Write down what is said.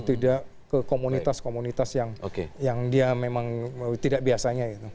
tidak ke komunitas komunitas yang dia memang tidak biasanya